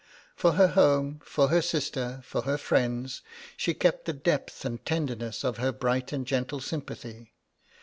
For her home, for her sister, for her friends, she kept the depth and tenderness of her bright and gentle sympathy.